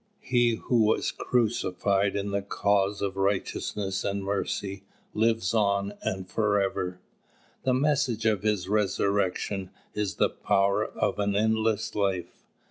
He who was crucified in the cause of righteousness and mercy, lives on and forever. The message of His resurrection is "the power of an endless life."